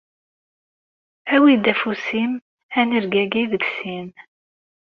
Awi-d afus-im, ad nergagi deg sin.